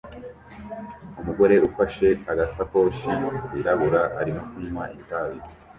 Umugore ufashe agasakoshi kirabura arimo kunywa itabi